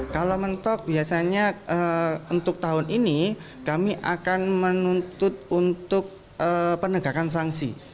kalau mentok biasanya untuk tahun ini kami akan menuntut untuk penegakan sanksi